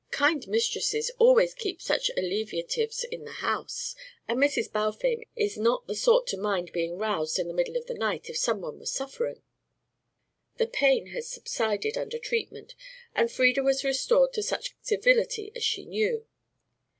Kind mistresses always keep such alleviatives in the house, and Mrs. Balfame is not the sort to mind being roused in the middle of the night if some one were suffering." The pain had subsided under treatment, and Frieda was restored to such civility as she knew.